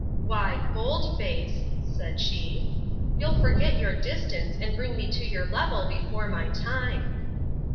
—Why, bold face, said she, you'll forget your distance, and bring me to your level before my time.